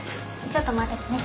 ちょっと待っててね。